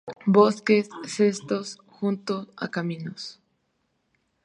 Bosques, setos, junto a caminos.